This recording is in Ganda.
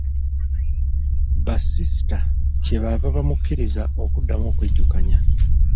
Basiisita kye baava bamukkiriza okuddamu okwejjukanya.